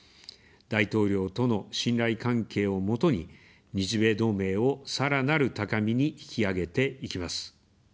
大統領との信頼関係を基に、日米同盟をさらなる高みに引き上げていきます。